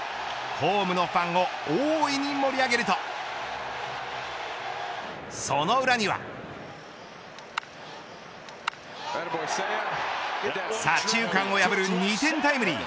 ホームのファンを大いに盛り上げるとその裏には。左中間を破る２点タイムリー。